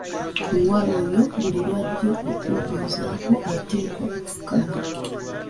Omuwala oyo buli lwajja okumbuuzaako ateekwa okufukamira.